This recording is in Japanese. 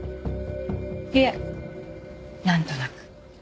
いえなんとなく。